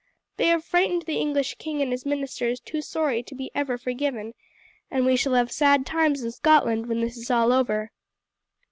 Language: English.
They have frightened the English king and his ministers too sorely to be ever forgiven, and we shall have sad times in Scotland when this is all over."